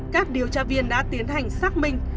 các điều tra viên đã tiến hành xác minh